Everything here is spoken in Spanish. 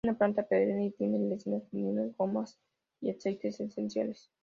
Es una planta perenne y tiene resinas, taninos, gomas y aceites esenciales.